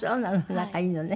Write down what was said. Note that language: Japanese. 仲いいのね。